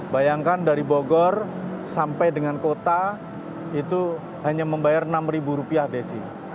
bayangkan dari bogor sampai dengan kota itu hanya membayar rp enam desi